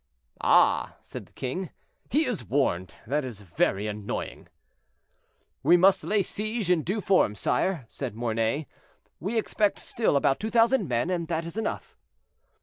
"Ah!" said the king, "he is warned; that is very annoying." "We must lay siege in due form, sire," said Mornay; "we expect still about 2,000 men, and that is enough."